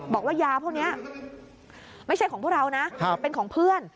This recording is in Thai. บอกว่ายาพวกนี้ไม่ใช่ของพวกเรานะเป็นของเพื่อน